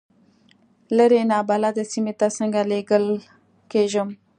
لرې نابلده سیمې ته څنګه لېږل کېږم.